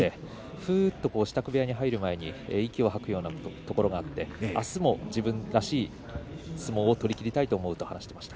ふうっと支度部屋に入る前に息を吐くようなところがあってあすも自分らしい相撲を取りきりたいと思うと話しました。